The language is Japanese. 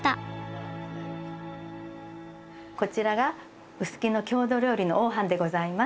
こちらが臼杵の郷土料理の黄飯でございます。